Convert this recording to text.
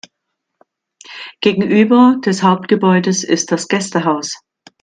Gegenüber des Hauptgebäudes ist das Gästehaus.